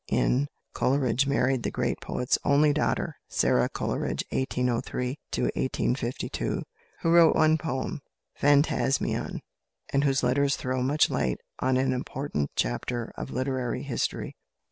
N. Coleridge married the great poet's only daughter, =Sara Coleridge (1803 1852)=, who wrote one poem, "Phantasmion," and whose letters throw much light on an important chapter of literary history.